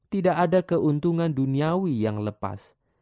tidak ada keuntungan duniawi yang lepas